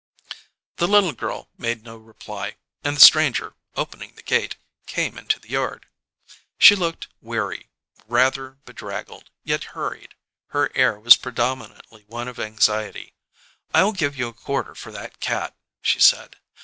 The little girl made no reply, and the stranger, opening the gate, came into the yard. She looked weary, rather bedraggled, yet hurried: her air was predominantly one of anxiety. "I'll give you a quarter for that cat," she said.